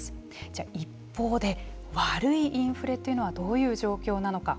じゃあ、一方で悪いインフレというのはどういう状況なのか。